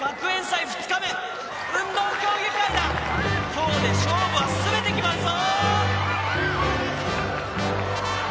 今日で勝負は全て決まるぞ！